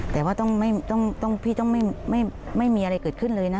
แต่ว่าพี่ต้องไม่มีอะไรเกิดขึ้นเลยนะ